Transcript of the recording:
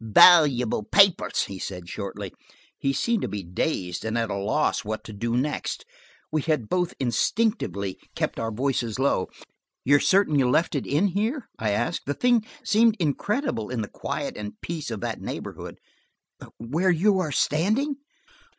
"Valuable papers," he said shortly. He seemed to be dazed and at a loss what to do next. We had both instinctively kept our voices low. "You are certain you left it here?" I asked. The thing seemed incredible in the quiet and peace of that neighborhood. "Where you are standing."